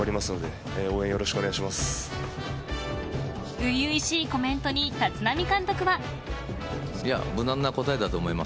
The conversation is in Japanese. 初々しいコメントに立浪監督は。